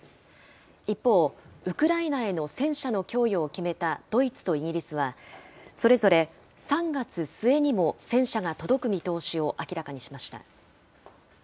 一方、ウクライナへの戦車の供与を決めたドイツとイギリスはそれぞれ３月末にも戦車が届く見通しを明らかにしました。